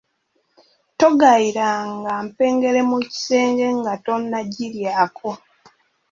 Togayiranga mpengere mu kisenge nga tonnagiryako.